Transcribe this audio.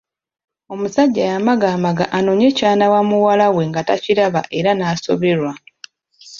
Omusajja yamagaamaga anoonye ky’anaawa muwala we nga takiraba era n’asoberwa.